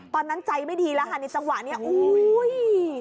ตอนนั้นใจไม่ดีแล้วค่ะในจังหวะนี้อุ้ย